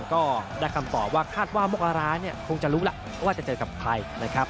ก็ได้คำตอบว่าคาดว่ามกราเนี่ยคงจะรู้แล้วว่าจะเจอกับใครนะครับ